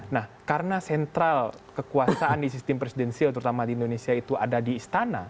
nah karena sentral kekuasaan di sistem presidensial terutama di indonesia itu ada di istana